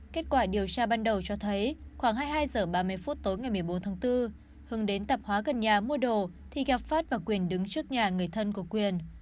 kết quả điều tra ban đầu cho thấy khoảng hai mươi hai h ba mươi phút tối ngày một mươi bốn tháng bốn hưng đến tạp hóa gần nhà mua đồ thì gặp phát và quyền đứng trước nhà người thân của quyền